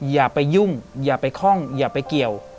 อย่าไปยุ่งอย่าไปคล่องอย่าไปเกี่ยว